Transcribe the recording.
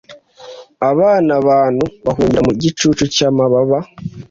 abana b abantu bahungira mu gicucu cy amababa